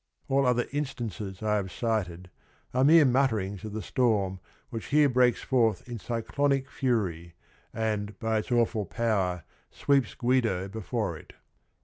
All the other instances I have cited are mere mutterings of the storm which here breaks forth in cyclonic fury, and by its awful power sweeps Guido before it.